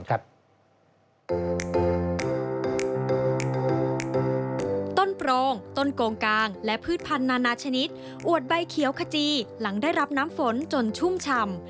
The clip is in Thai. ต้นโปรงต้นโกงกางและพืชพันธนานาชนิดอวดใบเขียวขจีหลังได้รับน้ำฝนจนชุ่มฉ่ำ